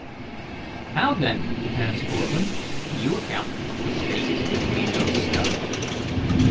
"How, then," asked Cortlandt, "do you account for the spaces between those stones?